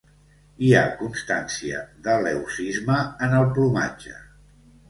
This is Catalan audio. Hi ha constància de leucisme en el plomatge.